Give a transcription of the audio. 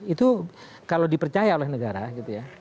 itu kalau dipercaya oleh negara gitu ya